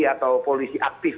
atau polisi aktif